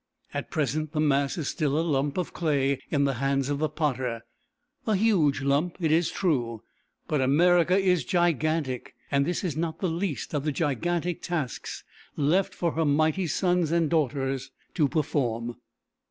At present the mass is still a lump of clay in the hands of the potter; a huge lump it is true, but America is gigantic and this is not the least of the gigantic tasks left for her mighty sons and daughters to perform.